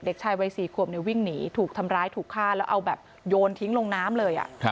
เด็กชายวัย๔ขวบวิ่งหนีถูกทำร้ายถูกฆ่าแล้วเอาแบบโยนทิ้งลงน้ำเลย